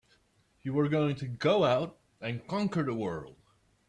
You were going to go out and conquer the world!